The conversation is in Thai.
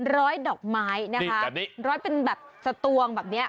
ร้อยดอกไม้นะคะแบบนี้ร้อยเป็นแบบสตวงแบบเนี้ย